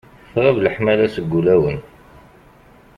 Tɣab leḥmala seg wulawen.